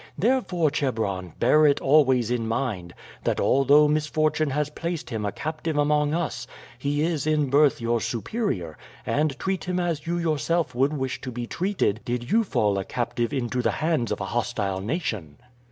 Therefore, Chebron, bear it always in mind that although misfortune has placed him a captive among us, he is in birth your superior, and treat him as you yourself would wish to be treated did you fall a captive into the hands of a hostile nation."